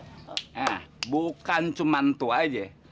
nah bukan cuma tuh aja